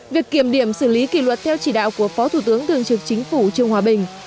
việc kiểm điểm xử lý kỷ luật theo chỉ đạo của phó thủ tướng thường trực chính phủ trương hòa bình